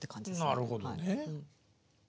なるほどね。